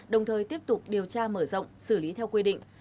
đồng thời tiếp tục điều tra mở rộng xử lý theo quy định